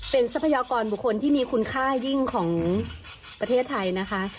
เป็นทรัพยากรบุคคลที่มีคุณค่ายิ่งของประเทศไทยนะคะ